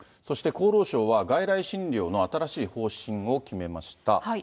そして厚労省は外来診療の新しい方針を決めました。